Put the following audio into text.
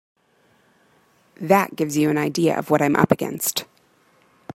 That gives you an idea of what I'm up against.